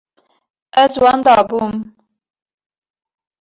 Ez wenda bûm.